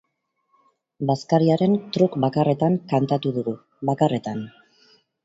Bazkariaren truk bakarretan kantatu dugu, bakarretan!